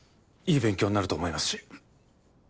いい勉強になると思いますし。